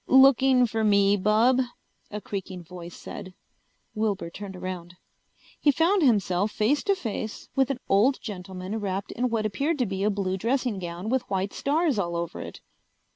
"Looking for me, bub?" a creaking voice said. Wilbur turned around. He found himself face to face with an old gentleman wrapped in what appeared to be a blue dressing gown with white stars all over it.